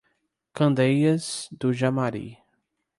Candeias do Jamari